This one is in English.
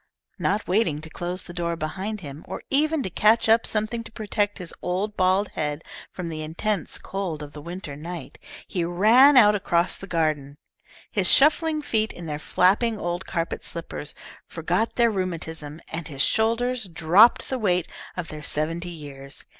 Not waiting to close the door behind him, or even to catch up something to protect his old bald head from the intense cold of the winter night, he ran out across the garden. His shuffling feet, in their flapping old carpet slippers, forgot their rheumatism, and his shoulders dropped the weight of their seventy years.